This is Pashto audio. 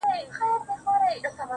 خيال ويل ه مـا پــرې وپاشــــه